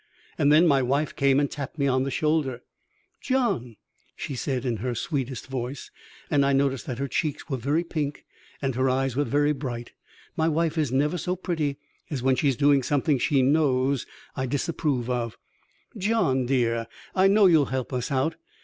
And then my wife came and tapped me on the shoulder. "John," she said in her sweetest voice, and I noticed that her cheeks were very pink and her eyes very bright. My wife is never so pretty as when she's doing something she knows I disapprove of, "John, dear I know you'll help us out.